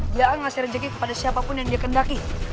dia ngasih rezeki kepada siapapun yang dikendaki